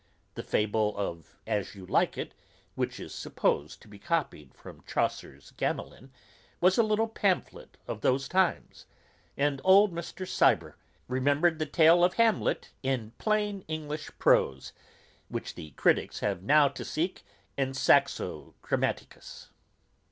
The fable of As you like it, which is supposed to be copied from Chaucer's Gamelyn, was a little pamphlet of those times; and old Mr. Cibber remembered the tale of Hamlet in plain English prose, which the criticks have now to seek in _Saxo Grammaticus.